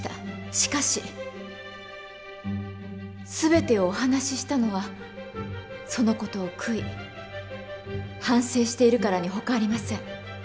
しかし全てをお話ししたのはその事を悔い反省しているからにほかありません。